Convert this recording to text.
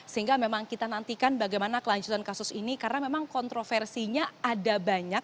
sehingga memang kita nantikan bagaimana kelanjutan kasus ini karena memang kontroversinya ada banyak